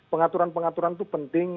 pengaturan pengaturan itu penting